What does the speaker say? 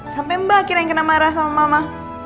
sampai mbak akhirnya yang kena marah sama mama